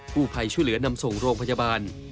ผู้ภัยช่วยเหลือนำส่งโรงพยาบาล